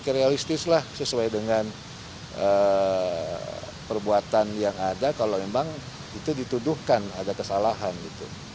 ketum pssi ketum pssi dan ketum pssi